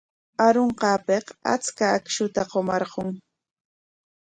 Arunqaapik aypa akshuta qumarqun.